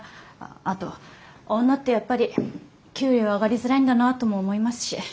あと女ってやっぱり給料上がりづらいんだなあとも思いますし。